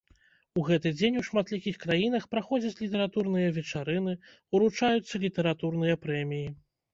У гэты дзень у шматлікіх краінах праходзяць літаратурныя вечарыны, уручаюцца літаратурныя прэміі.